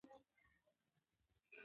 ماشوم د پلار لاس ونیو او ورسره روان شو.